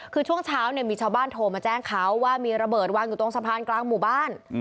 คือช่วงเช้าเนี่ยมีชาวบ้านโทรมาแจ้งเขาว่ามีระเบิดวางอยู่ตรงสะพานกลางหมู่บ้าน